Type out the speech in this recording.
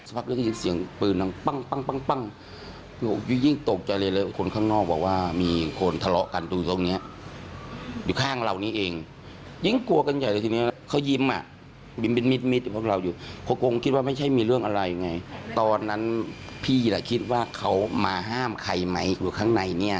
สักพักก็ยินเสียงปืนตั้งปั้ง